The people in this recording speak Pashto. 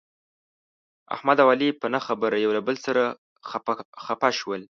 احمد او علي په نه خبره یو له بل سره خپه شول.